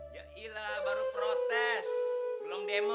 ya iya baru protes belum demo